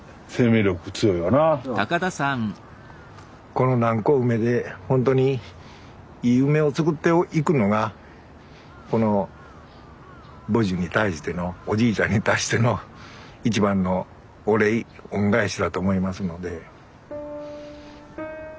この南高梅でほんとにいい梅を作っていくのがこの母樹に対してのおじいちゃんに対しての一番のお礼恩返しだと思いますので。